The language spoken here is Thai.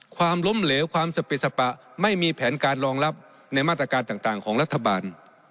ความล้มเหลวความสปิดสปะไม่มีแผนการรองรับในมาตรการต่างของรัฐบาล